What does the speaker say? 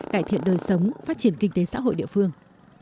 cải thiện đời sống phát triển kinh tế xã hội địa phương